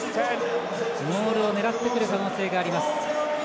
モールを狙ってくる可能性があります。